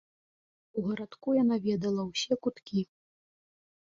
У гарадку яна ведала ўсе куткі.